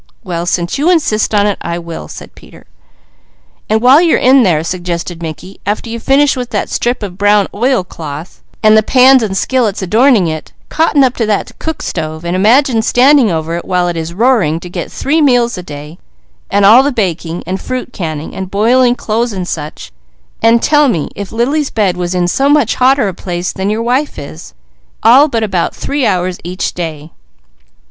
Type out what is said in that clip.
"Well since you insist on it, I will," said Peter. "And while you are in there," suggested Mickey, "after you finish with that strip of brown oilcloth and the pans and skillets adorning it, cotton up to that cook stove, and imagine standing over it while it is roaring, to get three meals a day, and all the baking, fruit canning, boiling clothes, and such, and tell me if Lily's bed was in so much hotter a place than your wife is, all but about three hours each day."